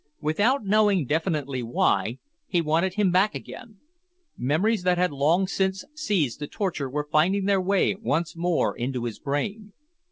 Without knowing definitely why, he wanted him back again. Memories that had long since ceased to torture were finding their way once more into his brain.